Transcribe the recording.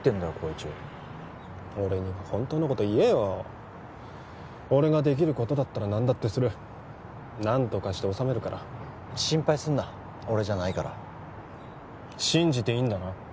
紘一俺には本当のこと言えよ俺ができることだったら何だってする何とかして収めるから心配すんな俺じゃないから信じていいんだな？